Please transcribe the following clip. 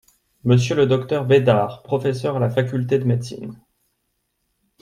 Monsieur le Dr Bédart, professeur à la Faculté de médecine.